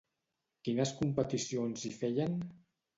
Quines competicions s'hi feien?